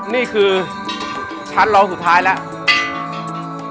นี่คือชั้นรองสุดท้ายแล้ว